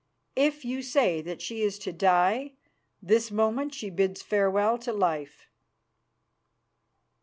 If you say that she is to die, this moment she bids farewell to life."